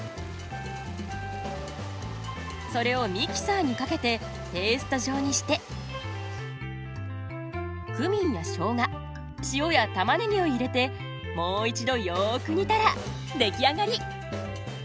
それをミキサーにかけてペースト状にしてクミンやしょうが塩やたまねぎを入れてもう一度よく煮たら出来上がり。